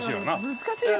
難しいですね。